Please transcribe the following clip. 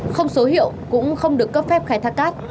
không số hiệu cũng không được cấp phép khai thác cát